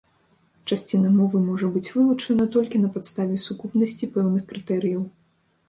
Часціна мовы можа быць вылучана толькі на падставе сукупнасці пэўных крытэрыяў.